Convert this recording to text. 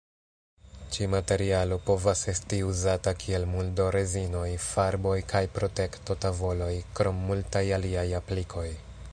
Ĉi-materialo povas esti uzata kiel muldo-rezinoj, farboj kaj protekto-tavoloj, krom multaj aliaj aplikoj.